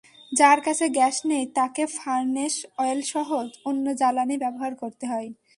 যার কাছে গ্যাস নেই, তাকে ফার্নেস অয়েলসহ অন্য জ্বালানি ব্যবহার করতে হয়।